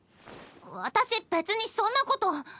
私別にそんなこと。